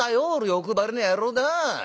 欲張りな野郎だな。